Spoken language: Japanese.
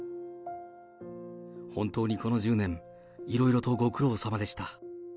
本当にこの１０年、いろいろとご苦労さまでした。